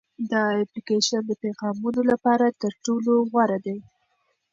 دا اپلیکیشن د پیغامونو لپاره تر ټولو غوره دی.